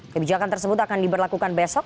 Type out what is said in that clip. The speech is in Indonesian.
kebijakan tersebut akan diberlakukan besok